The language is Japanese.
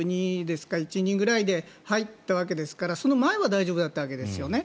２１、２２ぐらいで入ったわけですからその前は大丈夫だったわけですよね。